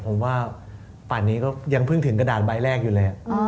ผมว่าป่านนี้ก็ยังเพิ่งถึงกระดาษใบแรกอยู่เลย